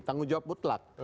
tanggung jawab butlak